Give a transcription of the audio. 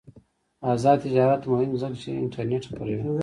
آزاد تجارت مهم دی ځکه چې انټرنیټ خپروي.